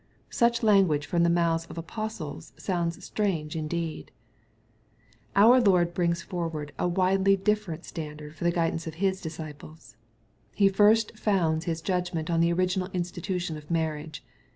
Such language from the mouths of apostles souods strange indeed I Our Lord brings forward a widely different standard for the guidance of His disciples. He first founds His judgment on the original institution of marriage.